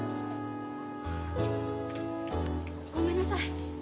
ごめんなさい